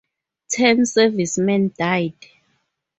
Ten servicemen died.